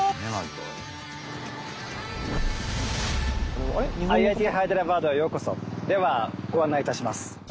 ではご案内いたします。